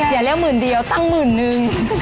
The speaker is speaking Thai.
อย่าเรียกหมื่นเดียวตั้งหมื่นนึง